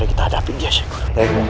mari kita hadapi dia syekh guru